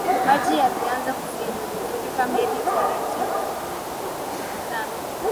maji yalianza kufurika meli tratibu sana